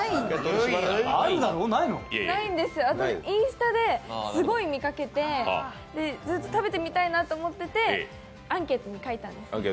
インスタですごい見かけてずっと食べてみたいなと思っててアンケートに書いたんです。